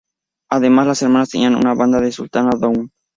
Además las hermanas tenían una banda con Sultana Daoud.